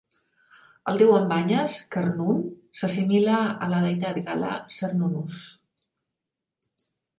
El Déu amb banyes, Carnun, s'assimila a la deïtat gala Cernunnos.